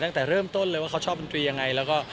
มาตั้งแต่เริ่มต้นถึงว่าเค้าชอบมันทียังไง